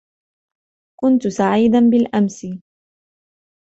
كنت سعيدًا بالأمس.